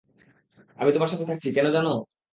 আমি তোমার সাথে থাকছি, কেন জানো!